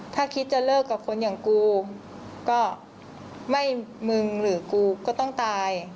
ถ้าคิดจะเลิกกับคนอย่างกูก็ไม่มึงหรือกูก็ต้องตาย